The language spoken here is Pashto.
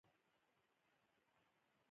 دوی دولس کاله وړاندې په واک کې وو.